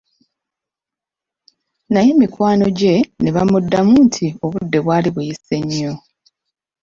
Naye mikwano gye ne bamuddamu nti obudde bwali buyise nnyo.